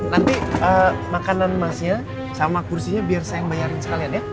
nanti makanan emasnya sama kursinya biar saya yang bayarin sekalian ya